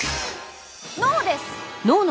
脳です！